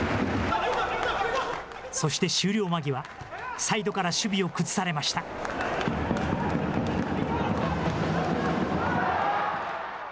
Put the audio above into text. そして終了間際、サイドから守備を崩されました。